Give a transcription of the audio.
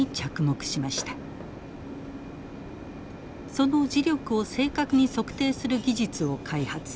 その磁力を正確に測定する技術を開発。